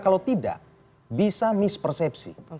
kalau tidak bisa mispersepsi